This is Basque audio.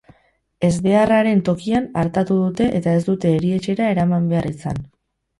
Ezbeharraren tokian artatu dute eta ez dute erietxera eraman behar izan.